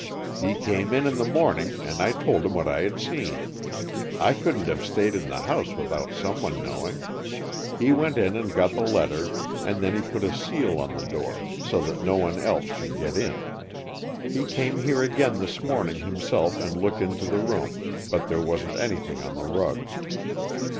"He came in in the morning and I told him what I had seen. I couldn't have stayed in the house without someone knowing. He went in and got the letter, and then he put a seal on the door, so that no one else should get in. He came here again this morning himself and looked into the room, but there wasn't anything on the rug.